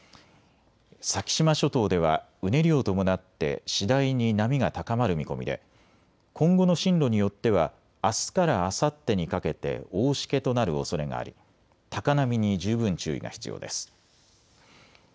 先島諸島ではうねりを伴って次第に波が高まる見込みで今後の進路によってはあすからあさってにかけて大しけとなるおそれがあり高波に十分注意が必要です。